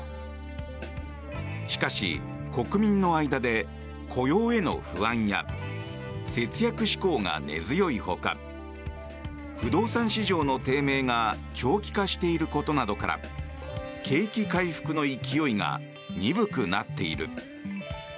しかし、国民の間で雇用への不安や節約志向が根強い他不動産市場の低迷が長期化していることなどから景気回復の勢いが鈍くなっている。